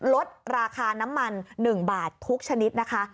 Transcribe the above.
ลดราคาน้ำมัน๑บาททุกชนิดนะคะ